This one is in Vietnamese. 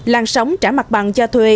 làn sóng trả mặt bằng cho thuê